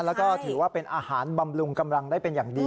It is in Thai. แล้วก็ถือว่าเป็นอาหารบำรุงกำลังได้เป็นอย่างดี